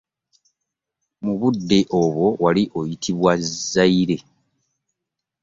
Mu budde obwo yali eyitibwa Zaire.